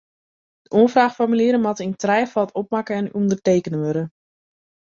De oanfraachformulieren moatte yn trijefâld opmakke en ûndertekene wurde.